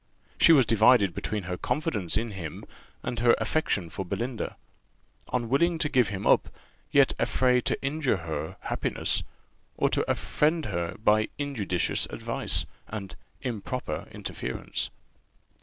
She was divided between her confidence in him and her affection for Belinda; unwilling to give him up, yet afraid to injure her happiness, or to offend her, by injudicious advice, and improper interference.